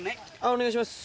お願いします。